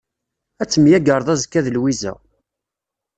Ad temyagreḍ azekka d Lwiza.